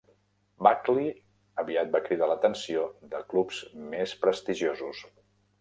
Buckley aviat va cridar l'atenció de clubs més prestigiosos.